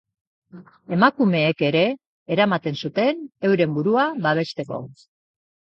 Emakumeek ere eramaten zuten, euren burua babesteko.